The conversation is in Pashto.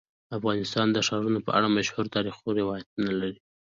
افغانستان د ښارونه په اړه مشهور تاریخی روایتونه لري.